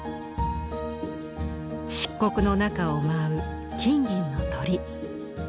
漆黒の中を舞う金銀の鳥。